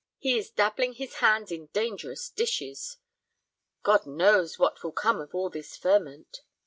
He is dabbling his hands in dangerous dishes. God knows what will come of all this ferment.